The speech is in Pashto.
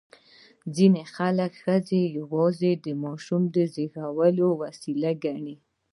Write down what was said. ځینې خلک ښځې یوازې د ماشوم زېږولو وسیله ګڼي.